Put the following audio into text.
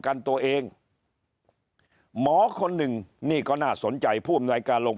กันตัวเองหมอคนหนึ่งนี่ก็น่าสนใจผู้อำนวยการลง